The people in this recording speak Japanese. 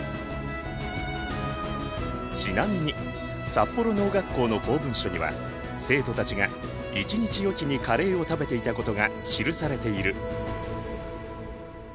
ちなみに札幌農学校の公文書には生徒たちが１日おきにカレーを食べていたことが記されている。